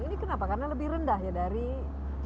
ini kenapa karena lebih rendah ya dari sisi